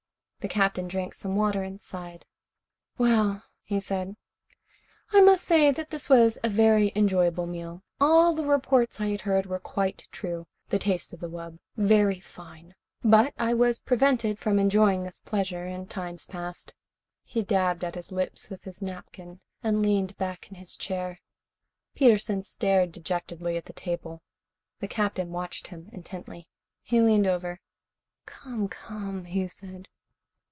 The Captain drank some water and sighed. "Well," he said. "I must say that this was a very enjoyable meal. All the reports I had heard were quite true the taste of wub. Very fine. But I was prevented from enjoying this pleasure in times past." He dabbed at his lips with his napkin and leaned back in his chair. Peterson stared dejectedly at the table. The Captain watched him intently. He leaned over. "Come, come," he said.